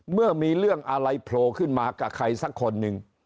เมื่อมีเรื่องอะไรโผล่ขึ้นมากับใครสักคนหนึ่ง